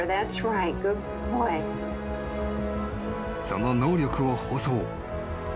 ［その能力を放送］